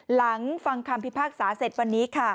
หลังฟังคำพิพากษาเสร็จวันนี้ค่ะ